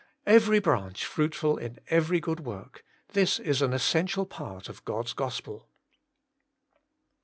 Every branch fruitful in every good work — ^this is an essential part of God's Gospel.